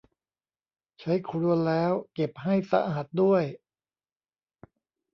ใช้ครัวแล้วเก็บให้สะอาดด้วย